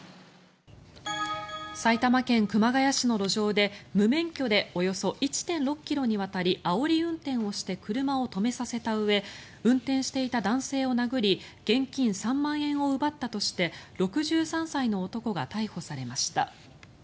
埼玉県熊谷市の路上で無免許でおよそ１．６ｋｍにわたりあおり運転をして車を止めさせたうえ運転していた男性を殴り現金３万円を奪ったとして６３歳の男が逮捕されました。